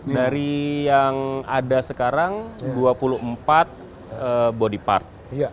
dari yang ada sekarang dua puluh empat body part